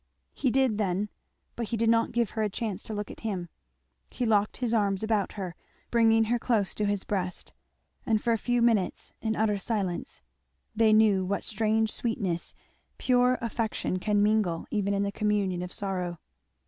He did then, but he did not give her a chance to look at him. He locked his arms about her, bringing her close to his breast; and for a few minutes, in utter silence, they knew what strange sweetness pure affection can mingle even in the communion of sorrow.